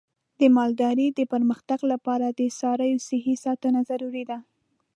د مالدارۍ د پرمختګ لپاره د څارویو صحي ساتنه ضروري ده.